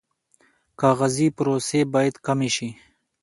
کاغذي پروسې باید کمې شي